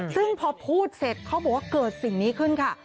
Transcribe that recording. ซึ่งพอพูดเสร็จเขาบอกว่าเกิดสิ่งนี้ขึ้นค่ะ